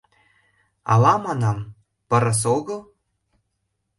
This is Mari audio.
— Ала, манам, пырыс огыл?